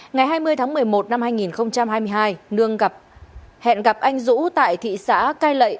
ngày hai mươi tháng một mươi một năm hai nghìn hai mươi hai nương gặp hẹn gặp anh dũ tại thị xã cai lệ